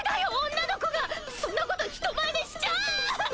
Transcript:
女の子がそんなこと人前でしちゃあ！